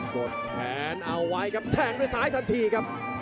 กดแขนเอาไว้ครับแทงด้วยซ้ายทันทีครับ